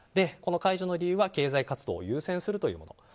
この解除の理由は経済活動を優先するということ。